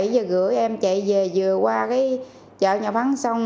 bảy giờ rưỡi em chạy về vừa qua chợ nhà phán xong